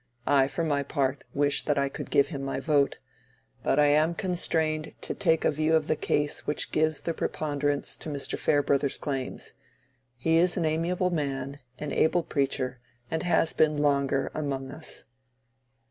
I, for my part, wish that I could give him my vote. But I am constrained to take a view of the case which gives the preponderance to Mr. Farebrother's claims. He is an amiable man, an able preacher, and has been longer among us."